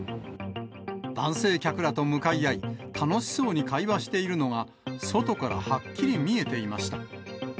男性客らと向かい合い、楽しそうに会話しているのが、外からはっきり見えていました。